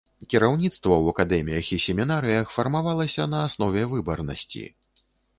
Кіраўніцтва ў акадэміях і семінарыях фармавалася на аснове выбарнасці.